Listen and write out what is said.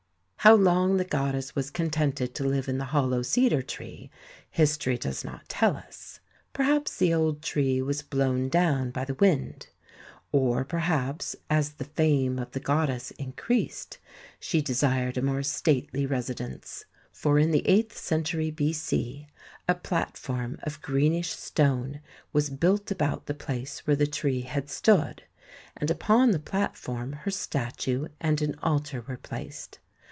How long the goddess was contented to live in the hollow cedar tree, history does not tell us. Perhaps the old tree was blown down by the wind, or perhaps, as the fame of the goddess increased, she desired a more stately residence, for in the eighth century B.C. a platform of greenish stone was built about the place where the tree had stood, and upon the plat form her statue and an altar were placed.